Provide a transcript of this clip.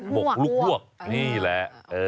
หมกลูกมวกนี่แหละ